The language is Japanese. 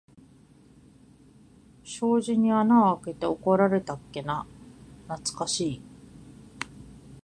障子に穴あけて怒られたっけな、なつかしい。